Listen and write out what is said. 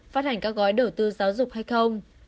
phát hành các gói đầu tư giáo dục hay không